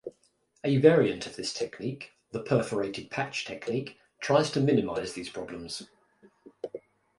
A variant of this technique, the "perforated patch" technique, tries to minimise these problems.